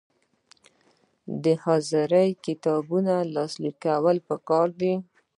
د حاضري کتاب لاسلیک کول پکار دي